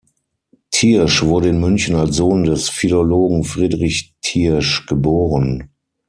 Thiersch wurde in München als Sohn des Philologen Friedrich Thiersch geboren.